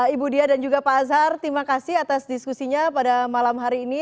ibu dia dan juga pak azhar terima kasih atas diskusinya pada malam hari ini